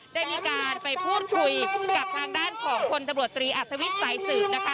ได้มีการไปพูดคุยกับทางด้านของพลตำรวจตรีอัธวิทย์สายสืบนะคะ